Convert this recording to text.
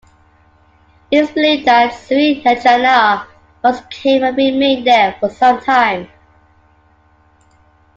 It is believed that Sri Anjana once came and remained there for some time.